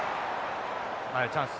チャンス。